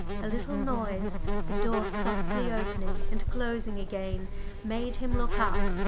A little noise, the door softly opening and closing again, made him look up.